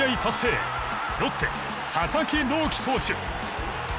ロッテ佐々木朗希投手。